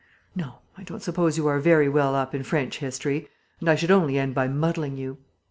No, I don't suppose you are very well up in French history; and I should only end by muddling you.